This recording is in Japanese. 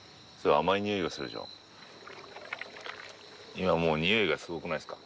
今もう匂いがすごくないですか？